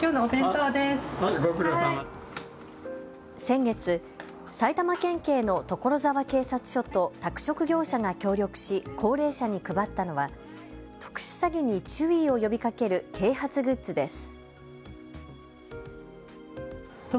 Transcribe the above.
先月、埼玉県警の所沢警察署と宅食業者が協力し高齢者に配ったのは特殊詐欺に注意を呼びかける啓発グッズです。